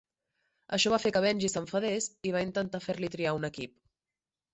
Això va fer que Benji s'enfadés i va intentar fer-li triar un equip.